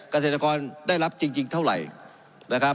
เกษตรกรได้รับจริงเท่าไหร่